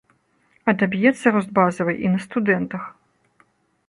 Адаб'ецца рост базавай і на студэнтах.